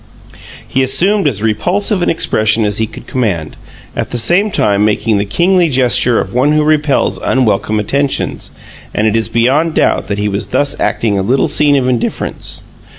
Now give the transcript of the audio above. He assumed as repulsive an expression as he could command, at the same time making the kingly gesture of one who repels unwelcome attentions; and it is beyond doubt that he was thus acting a little scene of indifference.